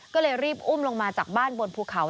ก็เลยรีบอุ้มลงมาจากบ้านบนภูเขา